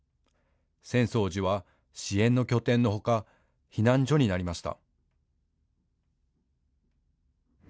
浅草寺は支援の拠点のほか避難所になりました。